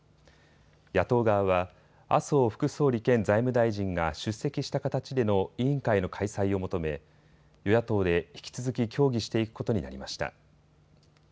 野党側は麻生副総理兼財務大臣が出席した形での委員会の開催を求め与野党で引き続き協議していくことになりました。